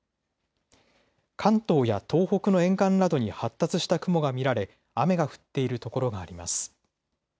関東や東北の沿岸などに発達した雲が見られ雨が降っているところがあります。